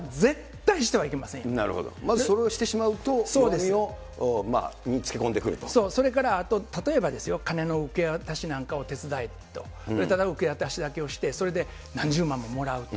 なるほど、まずそれをしてしそう、それからあと、例えばですよ、金の受け渡しなんかを手伝えと、ただ受け渡しだけをして、それで何十万ももらうと。